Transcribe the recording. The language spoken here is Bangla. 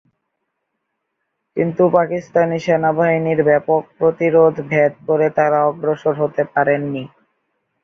কিন্তু পাকিস্তানি সেনাবাহিনীর ব্যাপক প্রতিরোধ ভেদ করে তারা অগ্রসর হতে পারেননি।